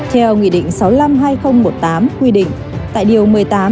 theo nghị định sáu trăm năm mươi hai nghìn một mươi tám quy định tại điều một mươi tám